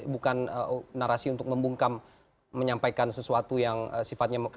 bukan narasi untuk membungkam menyampaikan sesuatu yang sifatnya